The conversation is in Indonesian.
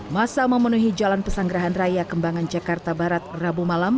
masa memenuhi jalan pesanggerahan raya kembangan jakarta barat rabu malam